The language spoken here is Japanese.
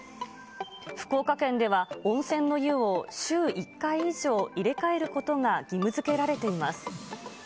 福岡県では温泉の湯を週１回以上入れ替えることが義務づけられています。